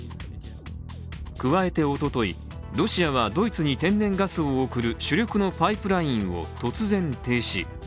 加えておととい、ロシアはドイツに天然ガスを送る主力のパイプラインを突然停止。